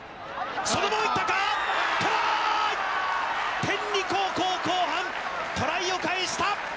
天理高校、後半、トライを返した！